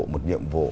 một nhiệm vụ